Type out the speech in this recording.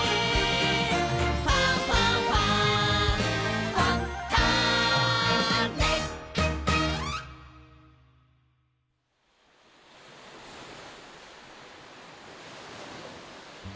「ファンファンファン」ザザ。